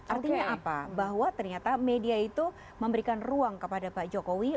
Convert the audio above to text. artinya apa bahwa ternyata media itu memberikan ruang kepada pak jokowi